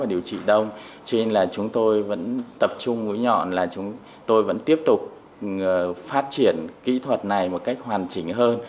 điều trị đông cho nên là chúng tôi vẫn tập trung ngũi nhọn là chúng tôi vẫn tiếp tục phát triển kỹ thuật này một cách hoàn chỉnh hơn